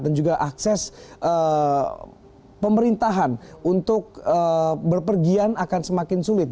dan juga akses pemerintahan untuk berpergian akan semakin sulit